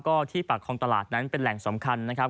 ก็ที่ปากคลองตลาดนั้นเป็นแหล่งสำคัญนะครับ